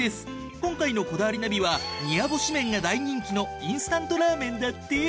今回の『こだわりナビ』は二夜干し麺が大人気のインスタントラーメンだって。